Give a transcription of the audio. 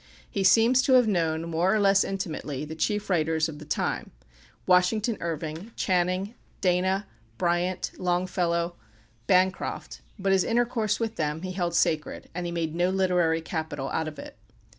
He seems to have known, more or less intimately, the chief writers of the time Washington Irving, Channing, Dana, Bryant, Longfellow, Bancroft; but his intercourse with them he held sacred, and he made no literary capital out of it.